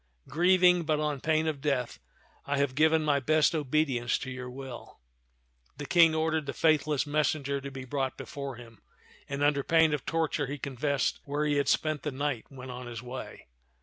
Grieving, but on pain of death, I have given my best obedience to your will." The King ordered the faithless messenger to be brought before him, and under pain of torture he confessed where he had spent the night when on his way.